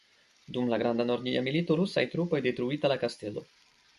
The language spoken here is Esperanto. Dum la Granda Nordia Milito rusaj trupoj detruita la kastelo.